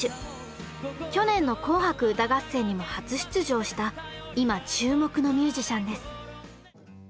去年の「紅白歌合戦」にも初出場した今注目のミュージシャンです。